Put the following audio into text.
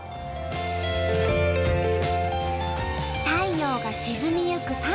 太陽が沈みゆく